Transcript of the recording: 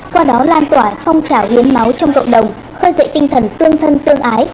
qua đó lan tỏa phong trào hiến máu trong cộng đồng khơi dậy tinh thần tương thân tương ái